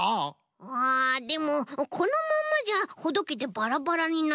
あでもこのままじゃほどけてバラバラになっちゃうな。